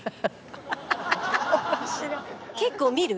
結構見る？